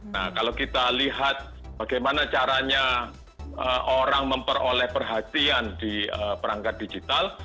nah kalau kita lihat bagaimana caranya orang memperoleh perhatian di perangkat digital